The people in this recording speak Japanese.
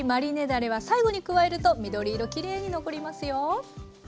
だれは最後に加えると緑色きれいに残りますよ。